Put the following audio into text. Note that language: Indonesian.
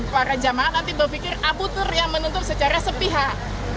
para jemaah nanti berpikir agutur yang menutup secara sepihak